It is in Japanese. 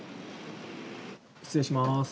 失礼します。